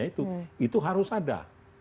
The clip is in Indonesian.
itu harus ada